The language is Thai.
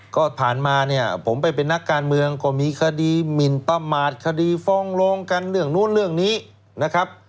ก็ผ่านมาเนี่ยผมไปเป็นนักการเมืองก็มีคดีหมินประมาทคดีฟ้องร้องกันเรื่องนู้นเรื่องนี้นะครับ